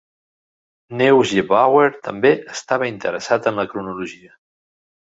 Neugebauer també estava interessat en la cronologia.